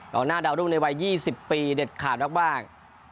ก็น่าเดารุ่นในวัย๒๐ปีเด็ดขาดมาก